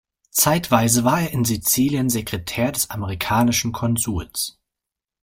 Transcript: Zeitweise war er in Sizilien Sekretär des amerikanischen Konsuls.